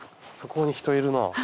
そこに人いるな。